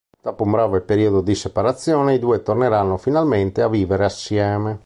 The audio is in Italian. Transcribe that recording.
Dopo un breve periodo di separazione i due torneranno finalmente a vivere assieme.